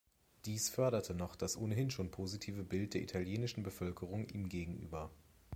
Dies förderte noch das ohnehin schon positive Bild der italienischen Bevölkerung ihm gegenüber.